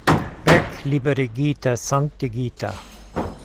Pekliberigita, sanktigita!